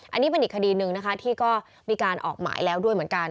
อันนี้เป็นอีกคดีหนึ่งนะคะที่ก็มีการออกหมายแล้วด้วยเหมือนกัน